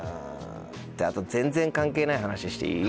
あと全然関係ない話していい？